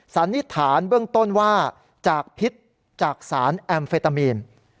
สันนิษฐานเบื้องต้นว่าจากพิษจากสารแอมเฟตามีน